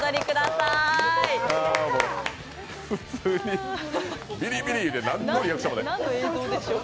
普通にビリビリいうて、何のリアクションもない。